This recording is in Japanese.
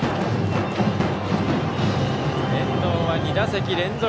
遠藤は２打席連続。